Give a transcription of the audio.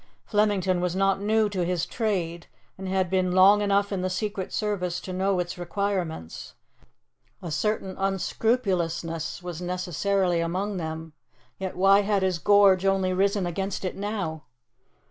Flemington was not new to his trade, and had been long enough in the secret service to know its requirements. A certain unscrupulousness was necessarily among them, yet why had his gorge only risen against it now?